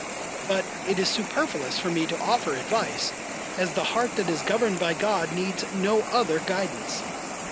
But it is superfluous for me to offer advice, as the heart that is governed by God needs no other guidance.